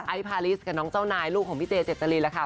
ไอพาริสกับน้องเจ้านายลูกของพี่เจเจ็ดตะลิละค่ะ